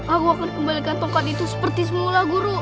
aku akan kembalikan tongkat itu seperti semula guru